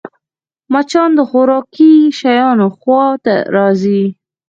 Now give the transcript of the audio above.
مچان د خوراکي شيانو خوا ته راځي